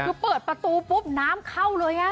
คือเปิดประตูปุ๊บน้ำเข้าเลย